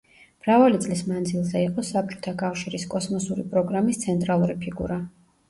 მრავალი წლის მანძილზე იყო საბჭოთა კავშირის კოსმოსური პროგრამის ცენტრალური ფიგურა.